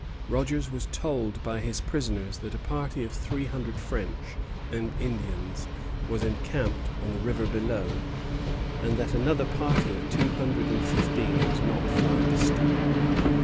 Rogers was told by his prisoners that a party of three hundred French and Indians was encamped on the river below, and that another party of two hundred and fifteen was not far distant.